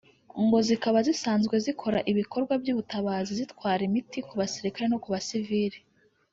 ngo zikaba zisanzwe zikora ibikorwa by’ubutabazi zitwara imiti ku basirikare no ku basivili